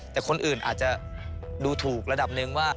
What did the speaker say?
แต่คนอื่นอาจจะดูถูกระดับหนึ่งว่า